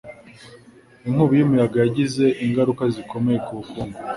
Inkubi y'umuyaga yagize ingaruka zikomeye ku bukungu.